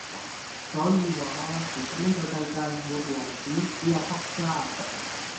所以話,其實呢個世界上沒王子只有仆街